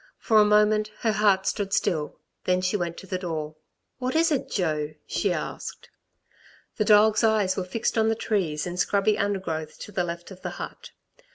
For a moment her heart stood still. Then she went to the door. "What is it, Jo?" she asked. The dog's eyes were fixed on the trees and scrubby undergrowth to the left of the hut.